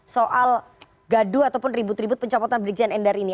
soal gaduh ataupun ribut ribut pencabutan berdikjian endar ini